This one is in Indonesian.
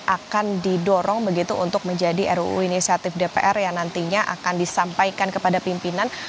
akan didorong begitu untuk menjadi ruu inisiatif dpr yang nantinya akan disampaikan kepada pimpinan